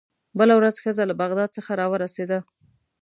بله ورځ ښځه له بغداد څخه راورسېده.